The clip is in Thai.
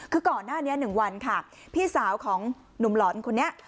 คือก่อนหน้านี้๑วันค่ะพี่สาวของหนุ่มหลอนคนนี้